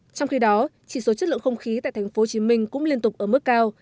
trong khi đó chỉ số chất lượng không khí tại thành phố hồ chí minh cũng liên tục ở mức cao